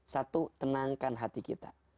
satu tenangkan hati kita